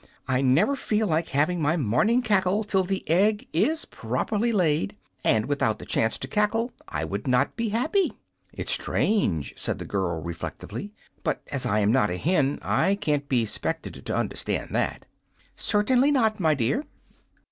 I never feel like having my morning cackle till the egg is properly laid, and without the chance to cackle I would not be happy." "It's strange," said the girl, reflectively; "but as I'm not a hen I can't be 'spected to understand that." "Certainly not, my dear."